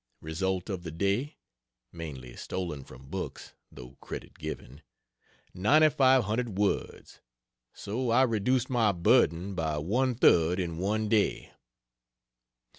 Result of the day, (mainly stolen from books, tho' credit given,) 9500 words, so I reduced my burden by one third in one day.